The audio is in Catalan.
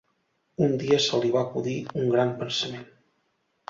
Un dia se li va acudir un gran pensament